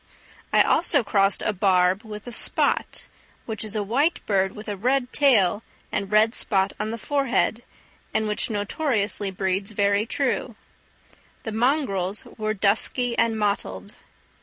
I also crossed a barb with a spot, which is a white bird with a red tail and red spot on the forehead, and which notoriously breeds very true; the mongrels were dusky and mottled.